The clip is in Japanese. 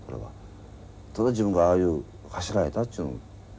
ただ自分がああいう走られたっちゅうん。